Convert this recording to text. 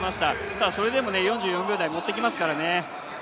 ただ、それでも４４秒台持ってきますからね。